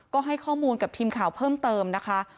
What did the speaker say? ก็ให้ข้อมูลกับทีมข่าวเพิ่มเติมนะคะ